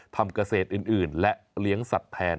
ทำเกษตรอื่นและเลี้ยงสัตว์แทน